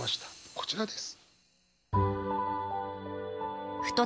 こちらです。